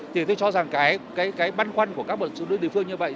thì tôi cho rằng cái băn khoăn của các bộ xử lý địa phương như vậy